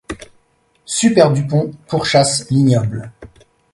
Superdupont pourchasse l’ignoble !